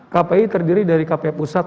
kpi terdiri dari kpi pusat